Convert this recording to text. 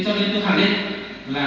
chúng chỉ dự định là